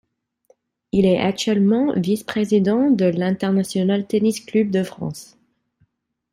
Il est actuellement vice-président de l'International Tennis Club de France.